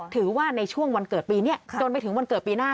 ถือว่าในช่วงวันเกิดปีนี้จนไปถึงวันเกิดปีหน้า